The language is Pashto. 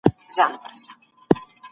هغه په څو ژبو پوهېږي.